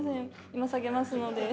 今下げますので。